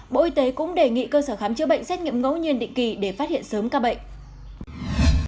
bộ y tế cũng đề nghị cơ sở khám chữa bệnh xét nghiệm ngẫu nhiên định kỳ để phát hiện sớm ca bệnh